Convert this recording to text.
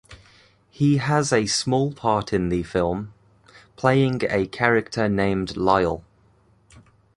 He has a small part in the film, playing a character named Lyle.